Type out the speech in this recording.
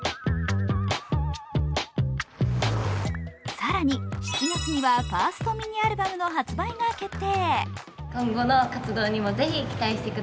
更に７月にはファーストミニアルバムの発売が決定。